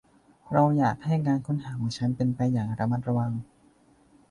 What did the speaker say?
เราอยากให้การค้นหาของฉันเป็นไปอย่างระมัดระวัง